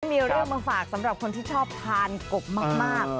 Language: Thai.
มีเรื่องมาฝากสำหรับคนที่ชอบทานกบมาก